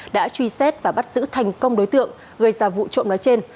đã truy xét và bắt giữ thành công đối tượng gây ra vụ trộm nói trên